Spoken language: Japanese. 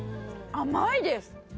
甘いです。